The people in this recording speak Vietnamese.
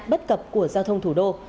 bất cập của giao thông thủ đô